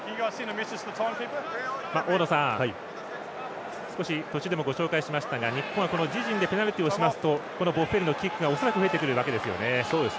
大野さん、少し途中でもご紹介しましたが日本は自陣でペナルティをしますとボッフェーリのキックが恐らく増えてくるわけですよね。